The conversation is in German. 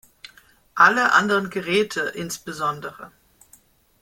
Alle anderen Geräte, insb.